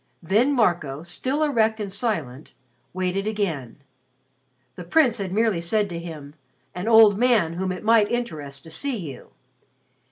Then Marco, still erect and silent, waited again. The Prince had merely said to him, "an old man whom it might interest to see you."